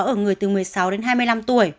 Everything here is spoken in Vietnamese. ở người từ một mươi sáu đến hai mươi năm tuổi